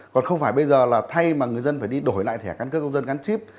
còn không phải bây giờ là thay mà người dân phải đi đổi lại thẻ căn cước công dân gắn chip